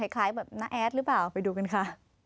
คล้ายแบบน้าแอดหรือเปล่าไปดูกันค่ะ